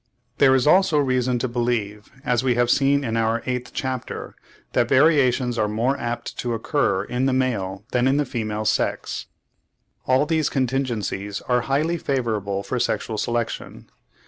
There is also reason to believe, as we have seen in our eighth chapter, that variations are more apt to occur in the male than in the female sex. All these contingencies are highly favourable for sexual selection.